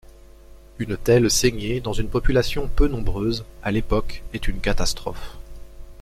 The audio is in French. Une telle saignée dans une population peu nombreuse, à l'époque, est une catastrophe.